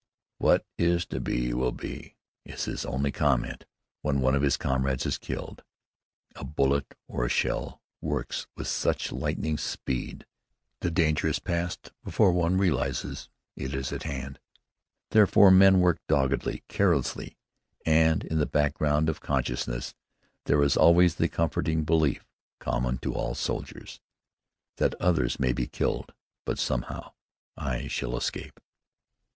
"What is to be will be" is his only comment when one of his comrades is killed. A bullet or a shell works with such lightning speed that danger is passed before one realizes that it is at hand. Therefore, men work doggedly, carelessly, and in the background of consciousness there is always that comforting belief, common to all soldiers, that "others may be killed, but somehow, I shall escape."